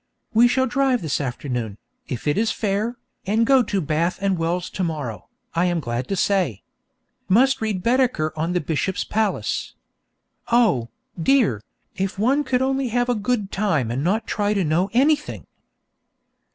We shall drive this afternoon, if it is fair, and go to Bath and Wells to morrow, I am glad to say. Must read Baedeker on the Bishop's palace. Oh, dear! if one could only have a good time and not try to know anything!